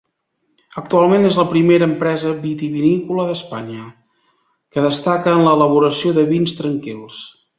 Actualment és la primera empresa vitivinícola d'Espanya, que destaca en l'elaboració de vins tranquils.